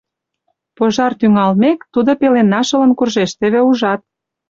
Пожар тӱҥалмек, тудо пеленна шылын куржеш — теве ужат.